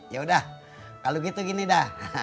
yaudah kalau gitu gini dah